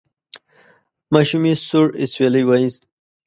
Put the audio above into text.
ماشومې سوړ اسویلی وایست: